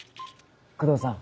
工藤さん。